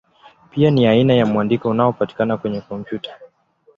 Pia ni aina ya mwandiko unaopatikana kwenye kompyuta.